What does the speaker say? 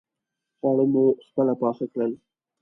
خواړه مو خپله پاخه کړل.